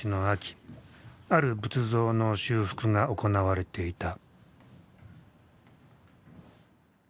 ある仏像の修復が行われていた。